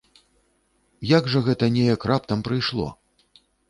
Як жа гэта неяк раптам прыйшло!